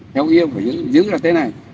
theo ý ông phải giữ là thế này